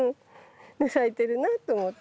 咲いてるなと思って。